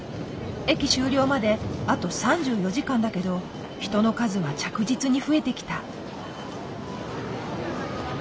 駅終了まであと３４時間だけど人の数は着実に増えてきた。